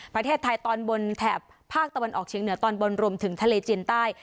ประเทศไทยตอนบนแถบภาคตะวันออกเชียงเหนือตอนบนรวมถึงทะเลจีนใต้